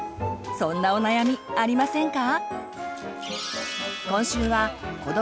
そんなお悩みありませんか？